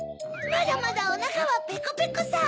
まだまだおなかはペコペコさ！